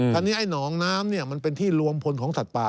อันนี้ไอ้หนองน้ำมันเป็นที่รวมพลของสัตว์ป่า